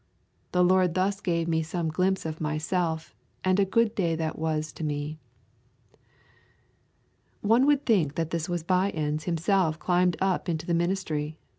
The Lord thus gave me some glimpse of myself and a good day that was to me.' One would think that this was By ends himself climbed up into the ministry.